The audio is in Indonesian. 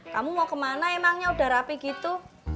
kamu mau ke mana emangnya udah rapi gitu